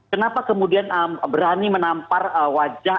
kenapa kemudian berani menampar wajah